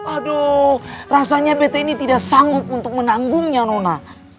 aduh rasanya bt ini tidak sanggup untuk menanggungnya nona